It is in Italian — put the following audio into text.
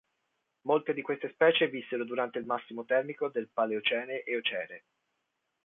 Molte di queste specie vissero durante il massimo termico del Paleocene-Eocene.